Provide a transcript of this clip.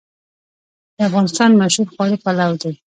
د افغانستان مشهور خواړه پلو دی